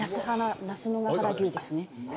那須野ヶ原和牛ですね。